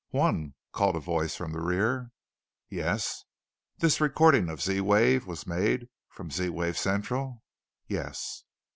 "One," called a voice from the rear. "Yes?" "This recording of the Z wave was made from Z wave Central?" "Yes!"